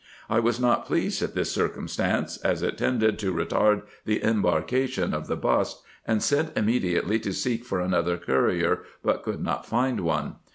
I was not pleased at this circumstance, as it tended to retard the embarkation of the bust, and sent immediately to seek for another courier, but could not find one.